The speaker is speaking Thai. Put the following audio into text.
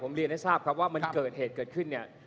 เรียนให้ทราบครับว่ามันเกิดเหตุเกิดขึ้นเนี่ย